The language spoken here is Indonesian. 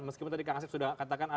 meskipun tadi kang asep sudah katakan